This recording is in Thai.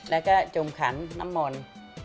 แล้วก็จมขันน้ำมนต์